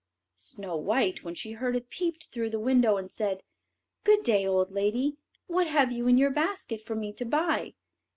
Snow white, when she heard it, peeped through the window, and said, "Good day, old lady. What have you in your basket for me to buy?"